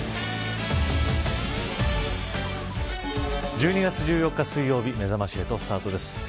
１２月１４日、水曜日めざまし８スタートです。